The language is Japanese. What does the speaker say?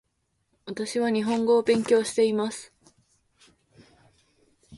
私は日本語を勉強しています